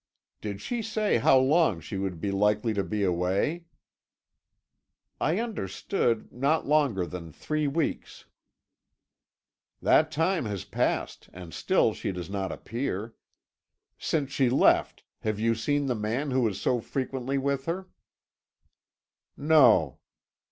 "Did she say how long she would be likely to be away?" "I understood not longer than three weeks." "That time has passed, and still she does not appear. Since she left, have you seen the man who was so frequently with her?" "No."